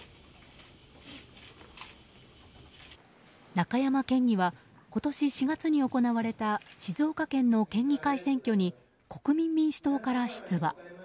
中山県議は今年４月に行われた静岡県の県議会選挙に国民民主党から出馬。